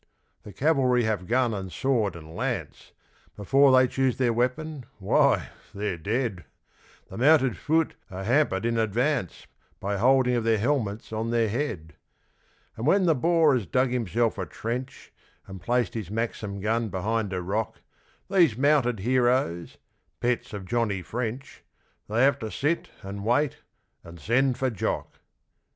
The Cavalry have gun and sword and lance, Before they choose their weapon, why, they're dead. The Mounted Fut are hampered in advance By holding of their helmets on their head. And when the Boer has dug himself a trench And placed his Maxim gun behind a rock, These mounted heroes pets of Johnny French They have to sit and wait and send for Jock!